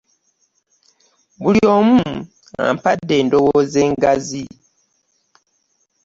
Buli omu ampadde endowooza engazi.